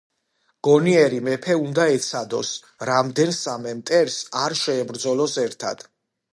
გონიერი მეფე უნდა ეცადოს, რამდენსამე მტერს არ შეებრძოლოს ერთად.